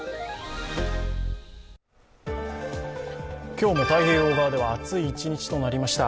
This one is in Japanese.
今日も太平洋側では暑い一日となりました。